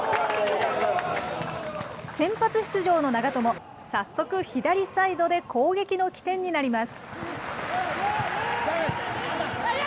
先発出場の長友、早速、左サイドで攻撃の起点になります。